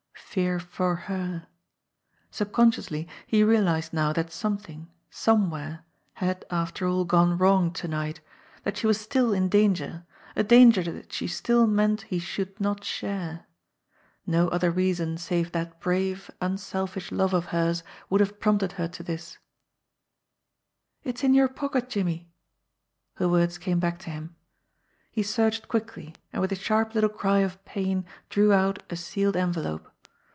Fear for her. Subconsciously he realised now that something, somewhere, had, after all, gone wrong to night; that she was still in danger, a danger that she still meant he should not share . No other reaon 14 JIMMIE DALE AND THE PHANTOM CLUE save that brave, unselfish love of hers would have prompted her to this. "It's in your pocket, Jimmie." Her words came back to him. He searched quickly, and with a sharp little cry of pain drew out a sealed envelope.